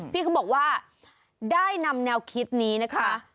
พี่เขาบอกว่าได้นำแนวคิดนี้นะคะ